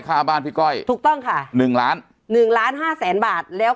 ค่าบ้านพี่ก้อยถูกต้องค่ะหนึ่งล้านหนึ่งล้านห้าแสนบาทแล้ว